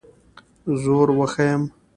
زور وښیم.